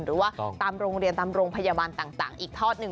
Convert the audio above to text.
หรือว่าตามโรงเรียนตามโรงพยาบาลต่างอีกทอดหนึ่ง